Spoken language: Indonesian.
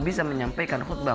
bisa menyampaikan khutbah